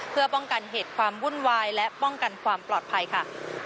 เพื่อป้องกันเหตุความวุ่นวายและป้องกันความปลอดภัยค่ะ